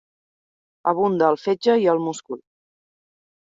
Abunda al fetge i al múscul.